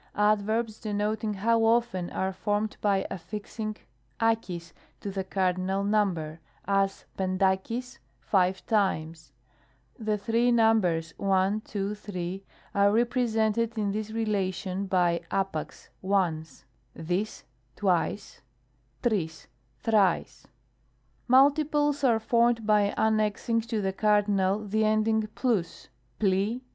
Adverbs denoting how often, are formed by affixing dxcg to the cardinal number; as, Tttvvdxcgj " five times." ' The three numbers, 1, 2, 3, are repre sented in this relation by cctvcc^, " once," dig^ " twice," TQig, "thrice." III. Multiples are formed by annexing to the cardinal the ending TvXovg (Eng.